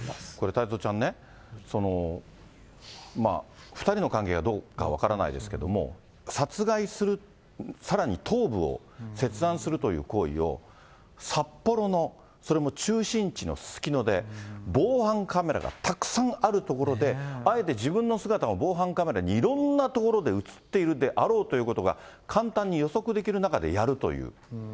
太蔵ちゃんね、２人の関係がどうかは分からないですけども、殺害する、さらに頭部を切断するという行為を、札幌の、それも中心地のすすきので、防犯カメラがたくさんある所で、あえて自分の姿が防犯カメラにいろんな所で写っているであろうということが簡単に予測できる中でやるという。